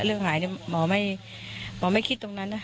เรื่องหายหมอไม่คิดตรงนั้นนะ